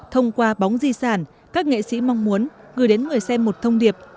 thông qua bóng di sản các nghệ sĩ mong muốn gửi đến người xem một thông điệp